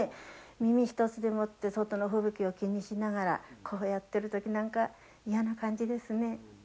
耳一つでもって外の吹雪を気にしながらこうやってる時なんか嫌な感じですね。